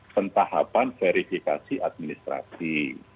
pentahapan verifikasi administrasi